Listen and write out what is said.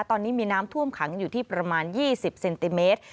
ตอนนี้มีน้ำท่วมขังอยู่ที่ประมาณ๒๐เซนติเมตร